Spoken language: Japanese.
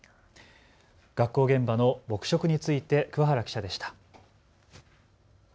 学校現場の黙食について桑原記者でした。